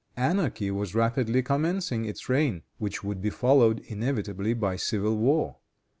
Anarchy was rapidly commencing its reign, which would be followed inevitably by civil war.